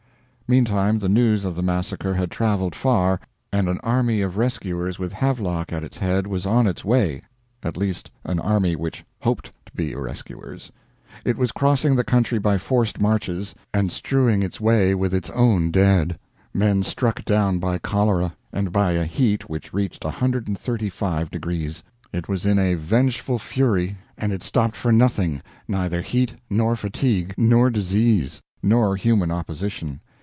Meantime the news of the massacre had traveled far and an army of rescuers with Havelock at its head was on its way at least an army which hoped to be rescuers. It was crossing the country by forced marches, and strewing its way with its own dead men struck down by cholera, and by a heat which reached 135 deg. It was in a vengeful fury, and it stopped for nothing neither heat, nor fatigue, nor disease, nor human opposition.